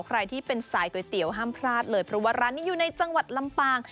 ใครที่เป็นสายก๋วยเตี๋ยวห้ามพลาดเลยเพราะว่าร้านนี้อยู่ในจังหวัดลำปาง